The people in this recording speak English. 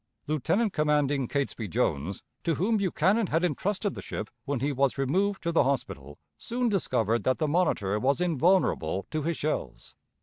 Lieutenant commanding Catesby Jones, to whom Buchanan had intrusted the ship when he was removed to the hospital, soon discovered that the Monitor was invulnerable to his shells.